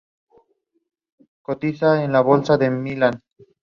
En la dinastía Ming, fue la residencia del Emperador.